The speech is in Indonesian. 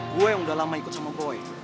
gue yang udah lama ikut sama koi